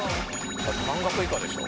だって半額以下でしょ